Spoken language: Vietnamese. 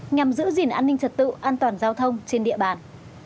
nhằm giữ gìn an ninh trật tự an toàn giao thông trên địa bàn